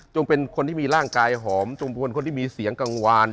เป็นคนที่มีร่างกายหอมจงพลคนที่มีเสียงกังวาน